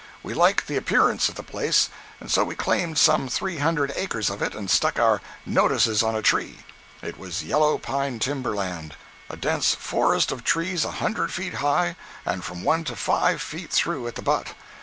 We liked the appearance of the place, and so we claimed some three hundred acres of it and stuck our "notices" on a tree. It was yellow pine timber land—a dense forest of trees a hundred feet high and from one to five feet through at the butt.